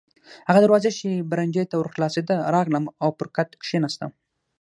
هغه دروازه چې برنډې ته ور خلاصېده، راغلم او پر کټ کښېناستم.